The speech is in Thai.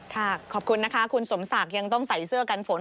ขอบคุณนะคะคุณสมศักดิ์ยังต้องใส่เสื้อกันฝน